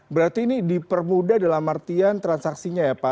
berarti ini dipermudah dalam artian transaksinya ya pak